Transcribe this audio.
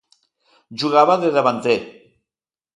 Jugava de davanter.